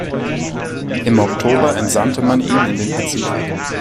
Im Oktober entsandte man ihn in den Pazifik.